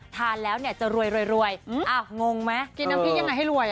ทานแล้วเนี้ยจะรวยรวยรวยอ้าวงงไหมกินน้ำพริกยังไงให้รวยอ่ะ